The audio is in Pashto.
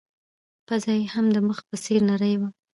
پزه يې هم د مخ په څېر نرۍ وه.